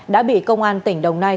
đã bị công an tỉnh đồng nai